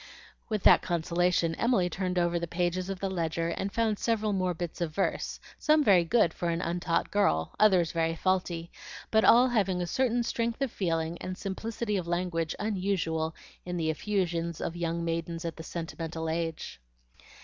With that consolation Emily turned over the pages of the ledger and found several more bits of verse, some very good for an untaught girl, others very faulty, but all having a certain strength of feeling and simplicity of language unusual in the effusions of young maidens at the sentimental age.